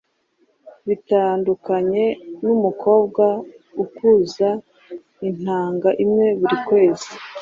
Bitandukanye n’umukobwa ukuza intanga imwe buri kwezi.